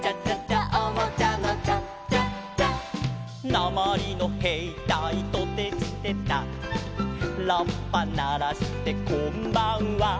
「なまりのへいたいトテチテタ」「ラッパならしてこんばんは」